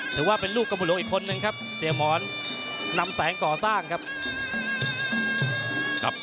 ถือว่าเป็นลูกกรมหลวงอีกคนนึงครับเสียหมอนนำแสงก่อสร้างครับ